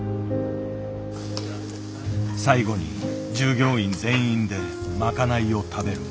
最後に従業員全員で賄いを食べる。